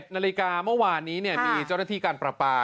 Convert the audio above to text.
๑นาฬิกาเมื่อวานนี้มีเจ้าหน้าที่การประปา